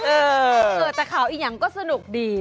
เออแต่ข่าวอีกอย่างก็สนุกดี